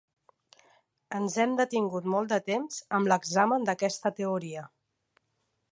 Ens hem detingut molt de temps en l'examen d'aquesta teoria.